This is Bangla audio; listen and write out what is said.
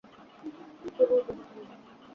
কোন অযুহাত নয়!